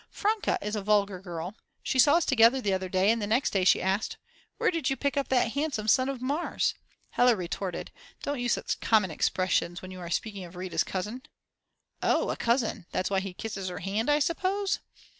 Franke is a vulgar girl. She saw us together the other day, and the next day she asked: Where did you pick up that handsome son of Mars? Hella retorted: "Don't use such common expressions when you are speaking of Rita's cousin." "Oh, a cousin, that's why he kisses her hand I suppose?"